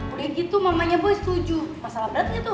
udah gitu mamanya boy setuju masalah beratnya tuh